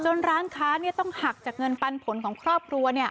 จนร้านค้าเนี้ยต้องหักจากเงินปันผลของครอบครัวเนี้ย